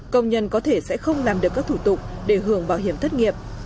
công nhân có thể sẽ không làm được các thủ tục để hưởng bảo hiểm thất nghiệp